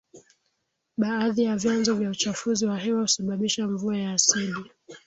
Baadhi ya vyanzo vya uchafuzi wa hewa husababisha mvua ya asidi